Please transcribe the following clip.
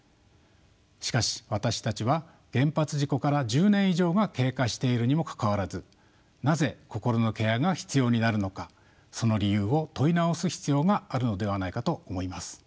しかし私たちは原発事故から１０年以上が経過しているにもかかわらずなぜ心のケアが必要になるのかその理由を問い直す必要があるのではないかと思います。